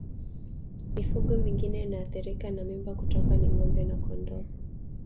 Mifugo mingine inayoathirika na mimba kutoka ni ngombe na kondoo